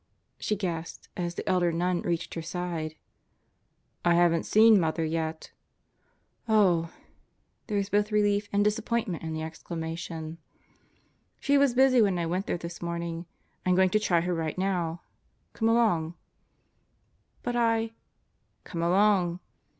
she gasped as the elder nun reached her side. "I haven't seen Mother yet." "Oh I" There was both relief and disappointment in the exclamation. "She was busy when I went there this morning. I'm going to try her right now. Come along." "But I ..." Birthdays in the Deathhouse 65 "Come along!"